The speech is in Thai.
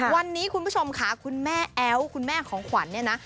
วันนี้คุณผู้ชมค่ะคุณแม่แอ๊วคุณแม่ของขวัญเนี่ยนะ